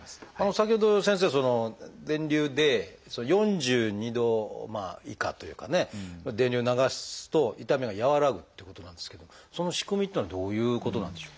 先ほど先生その電流で４２度以下というかね電流を流すと痛みが和らぐっていうことなんですけどその仕組みっていうのはどういうことなんでしょう？